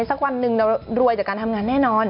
สักวันหนึ่งเรารวยจากการทำงานแน่นอน